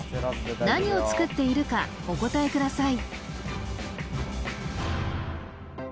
何を作っているかお答えください